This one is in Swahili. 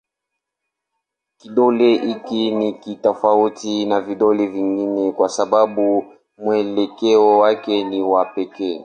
Kidole hiki ni tofauti na vidole vingine kwa sababu mwelekeo wake ni wa pekee.